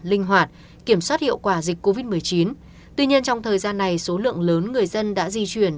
linh hoạt kiểm soát hiệu quả dịch covid một mươi chín tuy nhiên trong thời gian này số lượng lớn người dân đã di chuyển